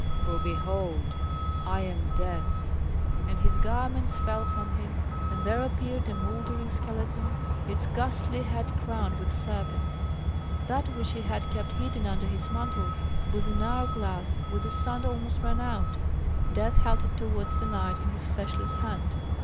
For, behold! I am Death." And his garments fell from him, and there appeared a mouldering skeleton, its ghastly head crowned with serpents; that which he had kept hidden under his mantle was an hour glass with the sand almost run out. Death held it towards the knight in his fleshless hand.